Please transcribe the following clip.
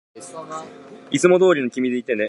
いつもどうりの君でいてね